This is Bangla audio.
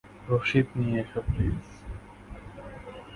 রশিদ নিয়ে এসো, প্লিজ?